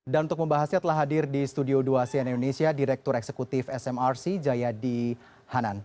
dan untuk membahasnya telah hadir di studio dua siena indonesia direktur eksekutif smrc jayadi hanan